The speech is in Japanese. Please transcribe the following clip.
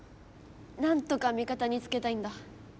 なんとかみ方につけたいんだ。